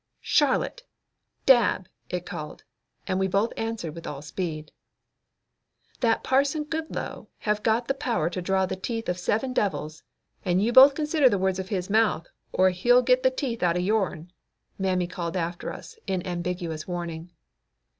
"Charlotte! Dab!" it called; and we both answered with all speed. "That Parson Goodloe have got the power to draw the teeth of seven devils, and you both consider the words of his mouth or he'll git the teeth outen yourn," Mammy called after us in ambiguous warning.